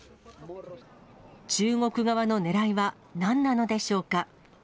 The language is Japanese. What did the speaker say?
中国側のねらいはなんなのでしょうか。